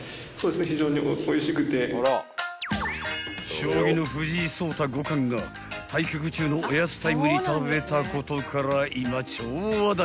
［将棋の藤井聡太五冠が対局中のおやつタイムに食べたことから今］